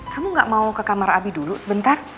kamu gak mau ke kamar abi dulu sebentar